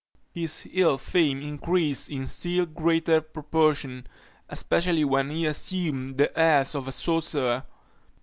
His ill fame increased in still greater proportion, especially when he assumed the airs of a sorcerer.